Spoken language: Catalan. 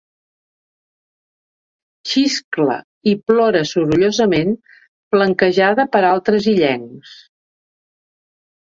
Xiscla i plora sorollosament, flanquejada per altres illencs.